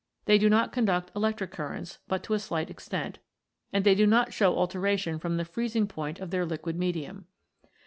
They do not conduct electric currents but to a slight extent, and they do not show alteration from the freezing point of their liquid medium.